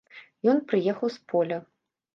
Ён прыехаў з поля.